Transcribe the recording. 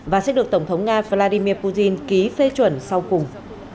và sẽ được tổng thống nga vladimir putin ký phê chuẩn sau cùng